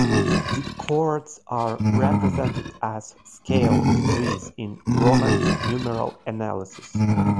The chords are represented as scale degrees in Roman numeral analysis.